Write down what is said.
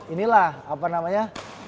inilah apa namanya